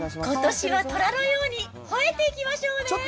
ことしはとらのようにほえていきましょうね。